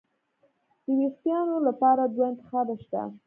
د وېښتانو لپاره دوه انتخابه شته.